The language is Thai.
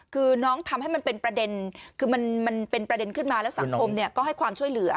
คือน้องทำให้มันเป็นประเด็นคือมันเป็นประเด็นขึ้นมาแล้วสังคมก็ให้ความช่วยเหลือ